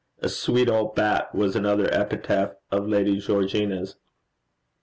'A sweet old bat,' was another epithet of Lady Georgina's.